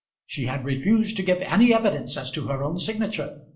She had refused to give any evidence as to her own signature.